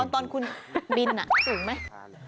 ตอนคุณบินสูงไหม